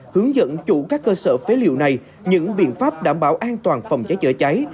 hướng dẫn chủ các cơ sở phế liệu này những biện pháp đảm bảo an toàn phòng cháy chữa cháy